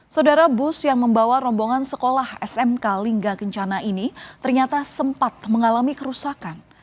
saudara bus yang membawa rombongan sekolah smk lingga kencana ini ternyata sempat mengalami kerusakan